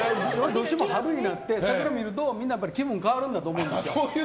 どうしても春になって桜を見るとみんな気分が変わるんだと思いますよ。